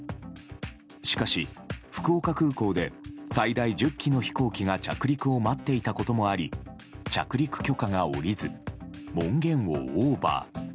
しかし、福岡空港で最大１０機の飛行機が着陸を待っていたこともあり着陸許可が下りず門限をオーバー。